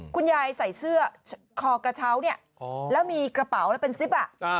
คุณยายใส่เสื้อคอกระเช้าเนี่ยแล้วมีกระเป๋าแล้วเป็นซิปอ่ะ